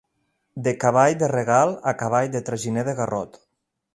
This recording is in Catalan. De cavall de regal, a cavall de traginer de garrot.